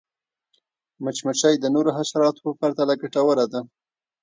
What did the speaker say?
مچمچۍ د نورو حشراتو په پرتله ګټوره ده